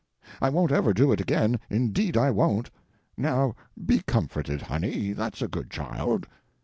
I won't ever do it again, indeed I won't; now be comforted, honey, that's a good child."